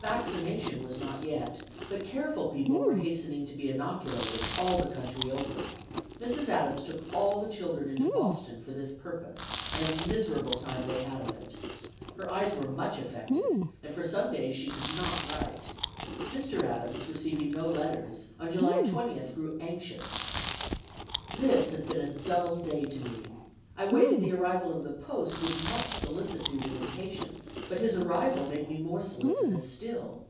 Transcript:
Vaccination was not yet, but careful people were hastening to be inoculated, all the country over. Mrs. Adams took all the children into Boston for this purpose, and a miserable time they had of it. Her eyes were much affected, and for some days she could not write. Mr. Adams, receiving no letters, on July 20th grew anxious: "This has been a dull day to me. I waited the arrival of the post with much solicitude and impatience, but his arrival made me more solicitous still.